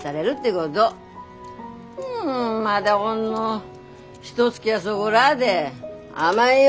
まだほんのひとつきやそごらで甘いよ。